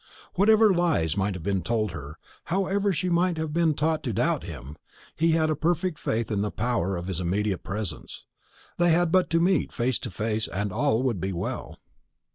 Whatever lies might have been told her however she might have been taught to doubt him he had a perfect faith in the power of his immediate presence. They had but to meet face to face, and all would be well.